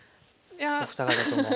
お二方とも。